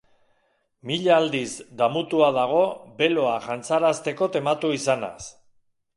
Mila aldiz damutua dago beloa jantzarazteko tematu izanaz.